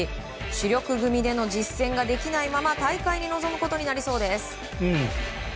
主力組での実戦ができないまま大会に臨むことになりそうです。